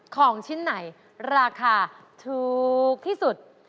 ของชิ้นไหนราคาถูกที่สุด